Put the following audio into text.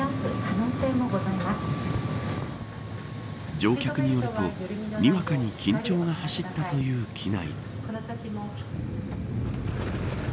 乗客によるとにわかに緊張が走ったという機内。